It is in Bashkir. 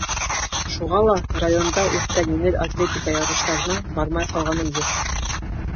Шуға ла районда үткән еңел атлетика ярыштарына бармай ҡалғаным юҡ.